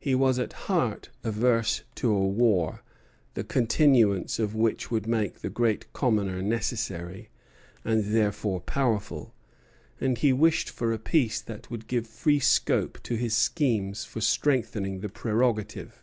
He was at heart averse to a war, the continuance of which would make the Great Commoner necessary, and therefore powerful, and he wished for a peace that would give free scope to his schemes for strengthening the prerogative.